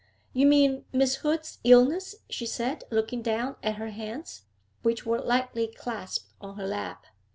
'You mean Miss Hood's illness,' she said, looking down at her hands, which were lightly clasped on her lap.